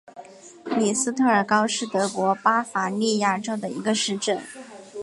米斯特尔高是德国巴伐利亚州的一个市镇。